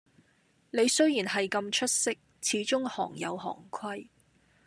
你雖然系咁出色，始終行有行規